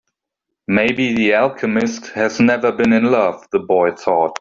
Maybe the alchemist has never been in love, the boy thought.